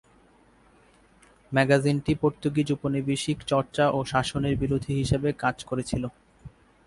ম্যাগাজিনটি Portuguese উপনিবেশিক চর্চা ও শাসনের বিরোধী হিসাবে কাজ করেছিল।